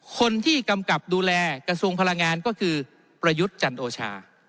กำกับดูแลกระทรวงพลังงานก็คือประยุทธ์จันโอชา